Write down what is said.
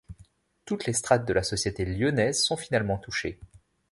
Toutes les strates de la société lyonnaise sont finalement touchées.